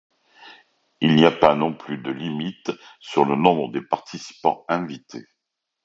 Il n'y a pas non plus de limite sur le nombre de participants invités.